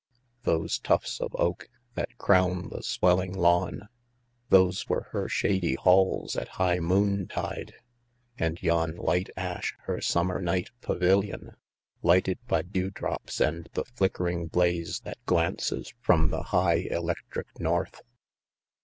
Those tufts of oak, that crown the swelling lawn. Those were her shady halls at high moon tide ; And yon light ash her summer night pavilion. Lighted by dew drops and the flickering blaze. That glances from the high electric north.